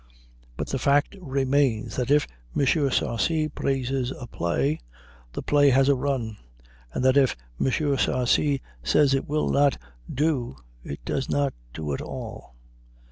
But the fact remains that if M. Sarcey praises a play the play has a run; and that if M. Sarcey says it will not do it does not do at all.